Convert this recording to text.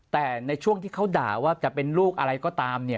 แต่ในช่วงที่เขาด่าว่าจะเป็นลูกอะไรก็ตาม